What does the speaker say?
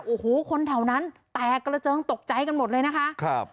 โอ้โหคนแถวนั้นแตกกระเจิงตกใจกันหมดเลยนะคะครับ